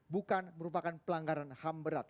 bukan merupakan pelanggaran ham berat